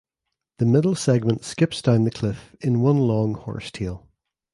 The middle segment skips down the cliff in one long horsetail.